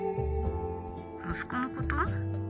息子のこと？